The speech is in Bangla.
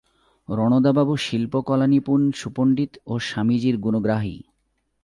রণদাবাবু শিল্পকলানিপুণ সুপণ্ডিত ও স্বামীজীর গুণগ্রাহী।